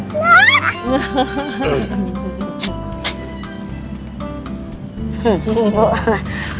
bu kita berangkat